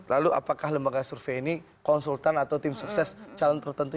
lalu apakah lembaga survei ini konsultan atau tim sukses calon tertentu